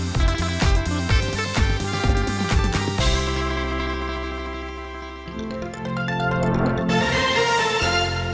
จะได้ใจหรือเปล่า